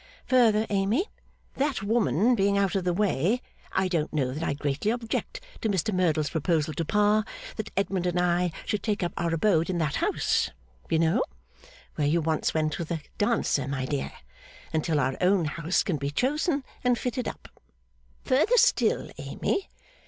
Further, Amy. That woman being out of the way, I don't know that I greatly object to Mr Merdle's proposal to Pa that Edmund and I should take up our abode in that house you know where you once went with a dancer, my dear, until our own house can be chosen and fitted up. Further still, Amy.